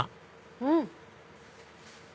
うん！